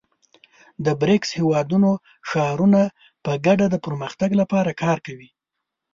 د بریکس هېوادونو ښارونه په ګډه د پرمختګ لپاره کار کوي.